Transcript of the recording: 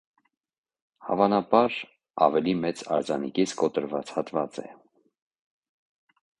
Հավանաբար ավելի մեծ արձանիկից կոտրված հատված է։